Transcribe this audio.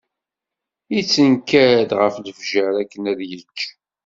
Yettenkar-d ɣef lefjer akken ad yečč.